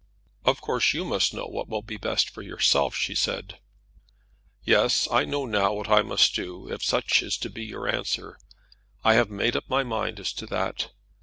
"Of course you must know what will be best for yourself," she said. "Yes; I know now what I must do, if such is to be your answer. I have made up my mind as to that.